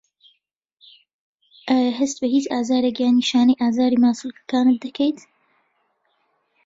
ئایا هەست بە هیچ ئازارێک یان نیشانەی ئازاری ماسوولکەکانت دەکەیت؟